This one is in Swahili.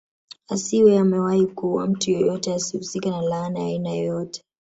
Asiwe amewahi kuua mtu yoyote asihusike na laana ya aina yoyote